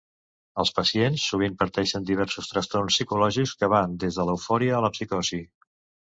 Els pacients sovint pateixen diversos trastorns psicològics, que van des de l'eufòria a la psicosi.